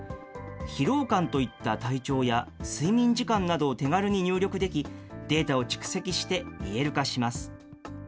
疲労感といった体調や、睡眠時間などを手軽に入力でき、データを蓄積して、見える化します。